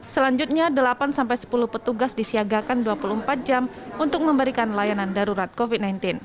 selanjutnya delapan sepuluh petugas disiagakan dua puluh empat jam untuk memberikan layanan darurat covid sembilan belas